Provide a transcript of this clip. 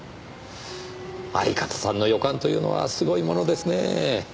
相方さんの予感というのはすごいものですねぇ。